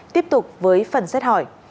tiếp tục với phần xét hỏi